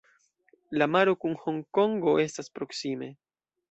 La maro kun Honkongo estas proksime.